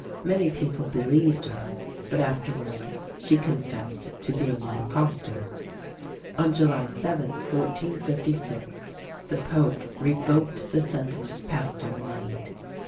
Many people believed her; but afterward she confessed to being an impostor. On July 7, 1456, the pope revoked the sentence passed on the Maid.